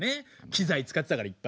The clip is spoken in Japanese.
機材使ってたからいっぱい。